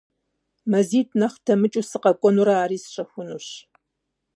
МазитӀ нэхъ дэмыкӀыу сыкъэкӀуэнурэ ари сщэхунущ.